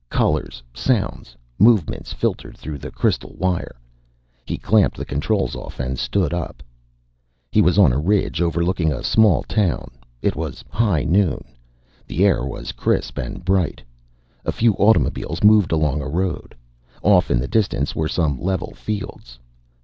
Colors, sounds, movements filtered through the crystal wire. He clamped the controls off and stood up. He was on a ridge overlooking a small town. It was high noon. The air was crisp and bright. A few automobiles moved along a road. Off in the distance were some level fields.